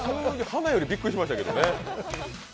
花よりびっくりしましたけどね。